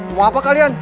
mau apa kalian